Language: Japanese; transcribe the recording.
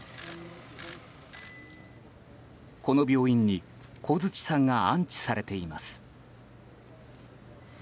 この病院に小槌さんが安置されています。